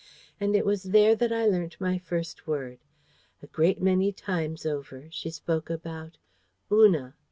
And it was there that I learned my first word. A great many times over, she spoke about "Una."